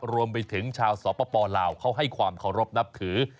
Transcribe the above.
รวมไปถึงชาวสปลาวเขาให้ความเคารพนับถือ